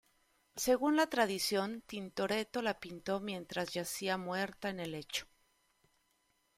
Según la tradición, Tintoretto la pintó mientras yacía muerta en el lecho.